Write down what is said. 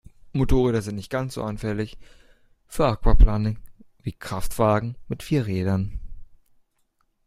Motorräder sind nicht ganz so anfällig für Aquaplaning wie Kraftwagen mit vier Rädern.